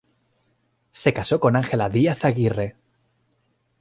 Se casó con Ángela Díaz Aguirre.